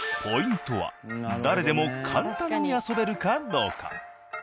ポイントは誰でも簡単に遊べるかどうか。